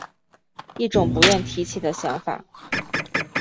一种不愿提起的想法